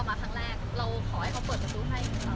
ความหวังเดียวของเราที่จะทำได้อยากจะเจอลูกมากที่สุดถูกไหมฮะ